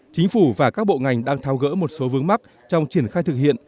chính phủ và các bộ ngành đang thao gỡ một số vướng mắt trong triển khai thực hiện